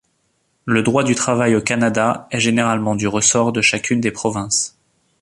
Le droit du travail au Canada est généralement du ressort de chacune des provinces.